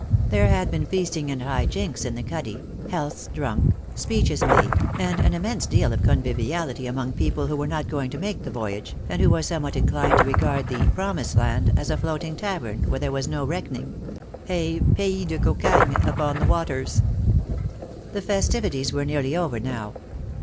There had been feasting and high jinks in the cuddy, healths drunk, speeches made, and an immense deal of conviviality among people who were not going to make the voyage, and who were somewhat inclined to regard the Promised Land as a floating tavern where there was no reckoning — a pays de cocagne upon the waters. The festivities were nearly over now.